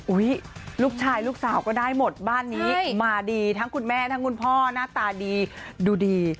ลูกชายลูกสาวก็ได้หมดบ้านนี้มาดีทั้งคุณแม่ทั้งคุณพ่อหน้าตาดีดูดี